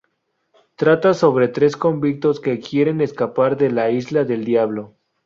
Trata sobre tres convictos que quieren escapar de la Isla del Diablo.